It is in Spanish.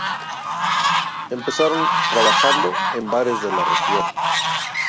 Empezaron trabajando en bares de la región.